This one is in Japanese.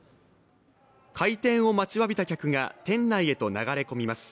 開店を待ちわびた客が店内へと流れ込みます。